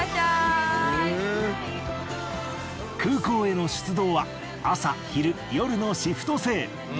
空港への出動は朝昼夜のシフト制。